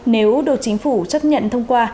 nếu đội chính phủ chấp nhận thông qua